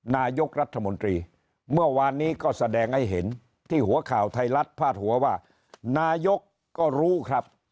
นายกรัฐมนตรีเมื่อวานนี้ก็แสดงให้เห็นที่หัวข่าวไทยรัฐพาดหัวว่านายกก็รู้ครับ